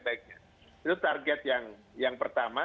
baiknya itu target yang yang pertama